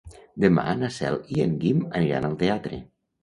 Demà na Cel i en Guim aniran al teatre.